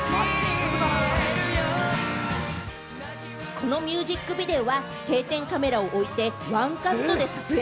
このミュージックビデオは定点カメラを置いてワンカットで撮影。